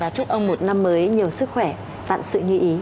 chúc ông một năm mới nhiều sức khỏe vạn sự như ý